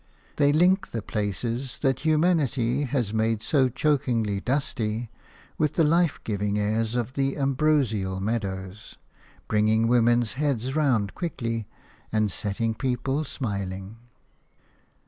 They link the places that humanity has made so chokingly dusty with the life giving airs of the ambrosial meadows – bringing women's heads round quickly and setting people smiling.